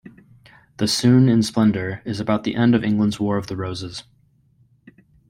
"The Sunne in Splendour" is about the end of England's War of the Roses.